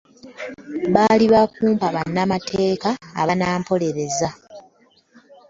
Baali ba kumpa bannamateeka abanampolereza.